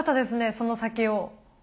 その先を。